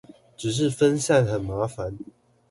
只是分散很麻煩